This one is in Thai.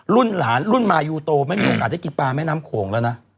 รุ่นหลานรุ่นมายูโตไม่มีโอกาสได้กินปลาแม่น้ำโขงแล้วนะ